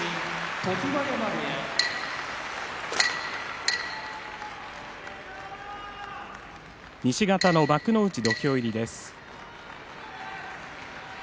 常盤山部屋西方の幕内の土俵入りです。